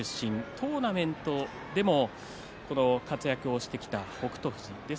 トーナメントでも活躍してきた北勝富士です。